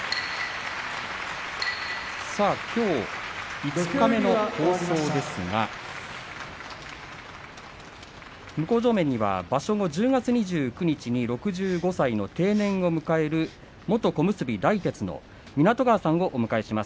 きょう五日目の放送ですが向正面には場所後、１０月２９日に６５歳の定年を迎える元小結大徹の湊川さんを迎えています。